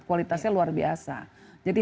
kualitasnya luar biasa jadi